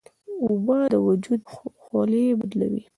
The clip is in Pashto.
اوبه د وجود خولې بدلوي.